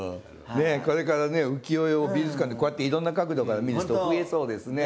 ねえこれから浮世絵を美術館でこうやっていろんな角度から見る人増えそうですね。